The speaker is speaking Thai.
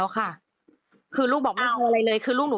วิกอมซอม